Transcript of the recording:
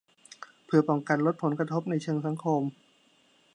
เพื่อป้องกันลดผลกระทบในเชิงสังคม